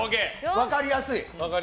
分かりやすい。